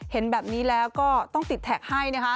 เห็นแบบนี้แล้วก็ต้องติดแท็กให้นะคะ